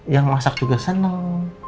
yang masak juga seneng